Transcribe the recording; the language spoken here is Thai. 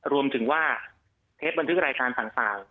รวมถึงว่าเทปบันทึกรายการต่าง